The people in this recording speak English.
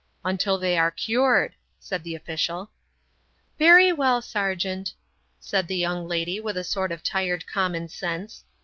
"Until they are cured," said the official. "Very well, sergeant," said the young lady, with a sort of tired common sense.